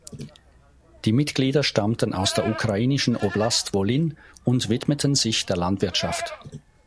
Die Mitglieder stammten aus der ukrainischen Oblast Wolyn und widmeten sich der Landwirtschaft.